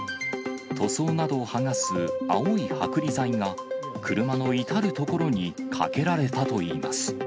塗装などを剥がす青い剥離剤が車の至る所にかけられたといいます。